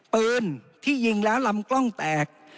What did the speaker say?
ปืนที่ยิงแล้วลำกล้องแตก